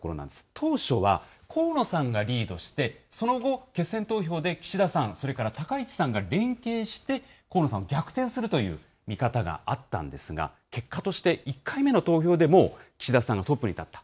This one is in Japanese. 当初は、河野さんがリードして、その後、決選投票で岸田さん、それから高市さんが連携して、河野さんを逆転するという見方があったんですが、結果として、１回目の投票でもう、岸田さんがトップに立った。